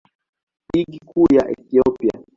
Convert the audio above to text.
Ligi Kuu ya Ethiopia.